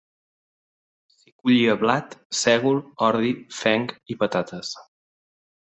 S'hi collia blat, sègol, ordi, fenc i patates.